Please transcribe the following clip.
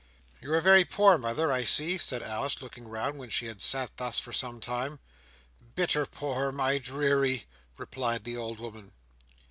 "You are very poor, mother, I see," said Alice, looking round, when she had sat thus for some time. "Bitter poor, my deary," replied the old woman.